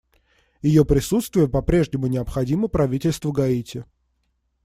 Ее присутствие по-прежнему необходимо правительству Гаити.